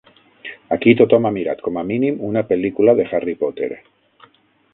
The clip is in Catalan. Aquí tothom ha mirat com a mínim una pel·lícula de Harry Potter.